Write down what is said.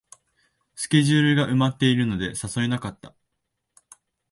スケジュールが埋まってるので誘えなかった